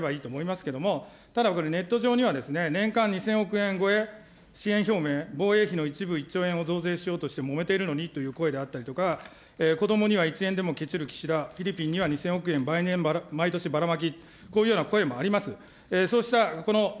したがって必要な支援というのは私はやればいいと思いますけれども、ただ、これ、ネット上には、年間２０００億円超え、支援表明、防衛費の一部１兆円を増税しようとしてもめてるのにという声であったりとか、子どもには１円でもけちる、岸田、フィリピンには２０００億円、毎年ばらまき、こういうような声もあります。